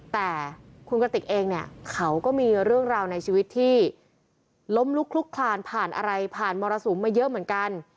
แต่คุณกติกเองเนี่ยเขาก็มีเรื่องราวในชีวิตที่ล้มลุกลุกคลานผ่านอะไรผ่านมรสุมมาเยอะเหมือนกัน